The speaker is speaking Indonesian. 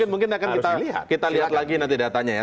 mungkin akan kita lihat lagi nanti datanya ya